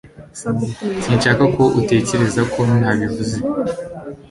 Sinshaka ko utekereza ko ntabivuze.